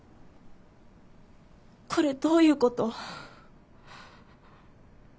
これどういうこと？